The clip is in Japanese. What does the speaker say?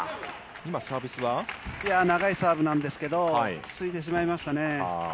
今、長いサーブなんですけど、つついてしまいましたね。